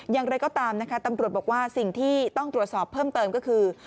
อย่างไรก็ตามนะคะตำรวจบอกว่าสิ่งที่ต้องตรวจสอบเพิ่มเติมก็คือ